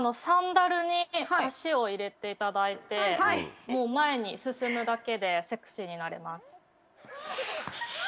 サンダルに足を入れていただいて前に進むだけでセクシーになれます。